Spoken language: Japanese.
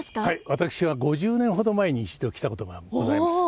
私は５０年ほど前に一度来たことがございます。